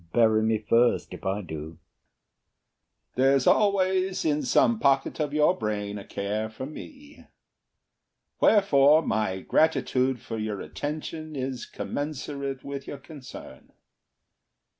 Bury me first if I do. HAMILTON There's always in some pocket of your brain A care for me; wherefore my gratitude For your attention is commensurate With your concern.